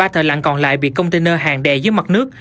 ba thợ lặng còn lại bị container hàng đệ dưới mặt nước